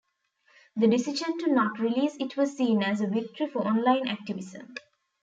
The decision to not release it was seen as a victory for online activism.